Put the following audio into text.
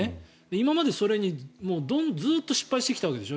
今までそれにずっと失敗してきたわけでしょ。